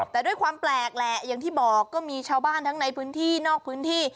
แต่ด้วยความแปลกแหละอย่างที่บอกก็มีชาวบ้านทั้งในพื้นที่นอกพื้นที่